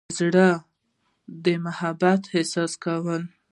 زړه د محبت احساس کوي.